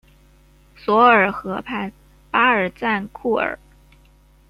索尔河畔巴尔赞库尔。